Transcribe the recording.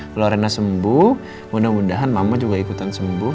kalau rena sembuh mudah mudahan mama juga ikutan sembuh